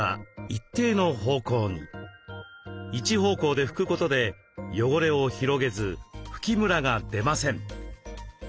一方向で拭くことで汚れを広げず拭きむらが出ません。